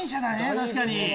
確かに。